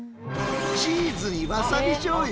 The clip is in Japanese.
チーズにわさびじょうゆ？